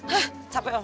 hah capek mama